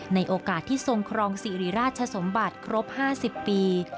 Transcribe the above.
ในโอกาสที่ทรงครองสิริราชสมบัติครบ๕๐ปี